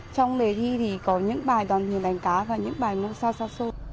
trong đề thi thì có những bài đoàn hình đánh cá và những bài ngôn sao sao sô